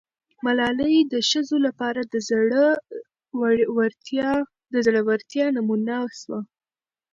ملالۍ د ښځو لپاره د زړه ورتیا نمونه سوه.